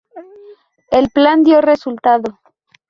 El plan dio resultado.